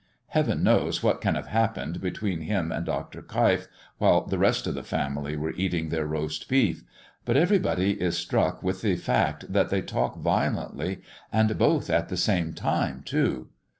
Heaven knows what can have happened between him and Dr. Keif, while the rest of the family were eating their roast beef; but everybody is struck with the fact that they talk violently, and both at the same time, too.